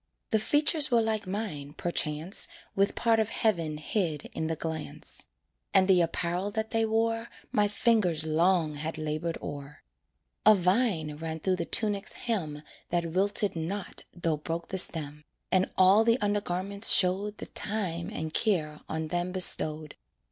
The features were like mine, perchance, With part of heaven hid in the glance; And the apparel that they wore My fingers long had labored o'er. A vine ran through the tunic's hem That wilted not though broke the stem, And all the undergarments showed The time and care on them bestowed.